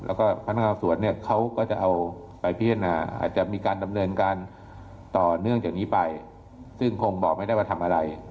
แล้วก็พนักงานสวนเนี่ยเขาก็จะเอาไปพิจารณาอาจจะมีการดำเนินการต่อเนื่องจากนี้ไปซึ่งคงบอกไม่ได้ว่าทำอะไร